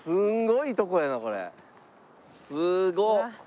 すごっ！